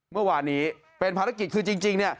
เมื่อวานนี้เป็นภารกิจคือจริงเนี่ย